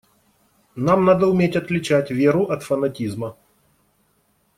Нам надо уметь отличать веру от фанатизма.